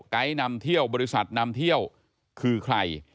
นำเที่ยวบริษัทนำเที่ยวคือใคร